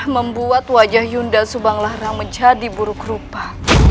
membuat wajah yunda subanglarang menjadi buruk rupa